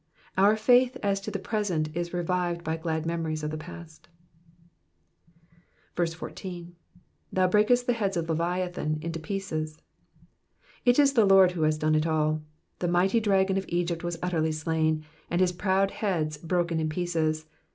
Our faith as to the present is revived by glad memories of the past. 14. ^^Thou brakest the lieads of leviathan in pieces.'*'' It is the Lord who has done it all. The mighty dragon of Egypt was utterly slain, and his proud heads broken in pieces.